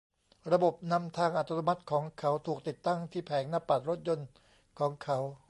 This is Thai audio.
ระบบนำทางอัตโนมัติของเขา ถูกติดตั้งที่แผงหน้าปัดรถยนต์ของเขา